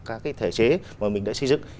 các cái thể chế mà mình đã xây dựng